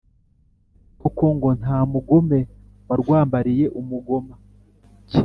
Koko ngo nta mugome warwambariye umugoma